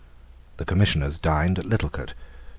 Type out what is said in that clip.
The Commissioners dined at Littlecote.